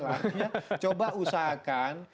harusnya coba usahakan